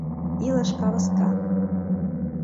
Илыш кавыска.